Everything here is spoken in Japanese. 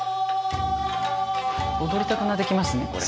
踊りたくなってきますねこれ。